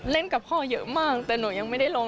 กับพ่อเยอะมากแต่หนูยังไม่ได้ลง